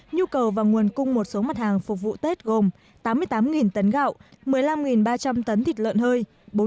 nhu cầu và nguồn cung một số mặt hàng phục vụ tết gồm tám mươi tám tấn gạo một mươi năm ba trăm linh tấn thịt lợn hơi